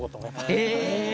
え！